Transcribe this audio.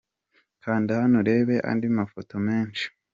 Kanda hano urebe andi mafoto menshi.